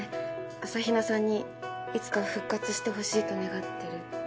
朝比奈さんにいつか復活してほしいと願ってるって。